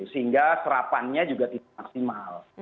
sehingga serapannya juga tidak maksimal